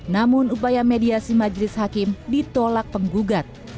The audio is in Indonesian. namun upaya mediasi majelis hakim ditolak penggugat